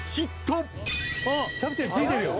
キャプテン付いてるよ。